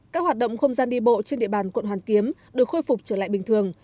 các hoạt động không gian đi bộ trên địa bàn quận hoàn kiếm được khôi phục trở lại bình thường